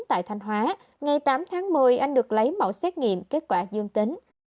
tại thanh hóa ngày tám tháng một mươi anh được lấy mẫu xét nghiệm kết quả dương tính